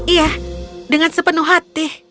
iya dengan sepenuh hati